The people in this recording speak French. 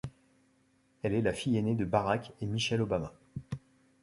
Elle est la fille ainée de Barack et Michelle Obama.